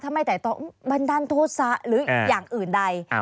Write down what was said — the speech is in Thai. ทำไมไต่ตองมันดันโทษศาสตร์หรืออย่างอื่นใด